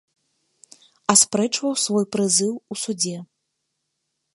Аспрэчваў свой прызыў у судзе.